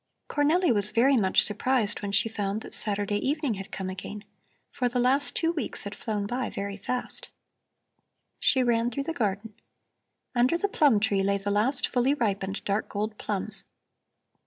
Cornelli was very much surprised when she found that Saturday evening had come again, for the last two weeks had flown by very fast. She ran through the garden. Under the plum tree lay the last fully ripened dark gold plums.